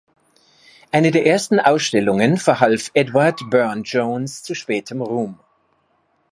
Eine der ersten Ausstellungen verhalf Edward Burne-Jones zu spätem Ruhm.